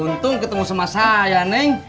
untung ketemu sama saya neng